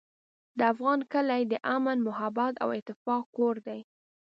د افغان کلی د امن، محبت او اتفاق کور دی.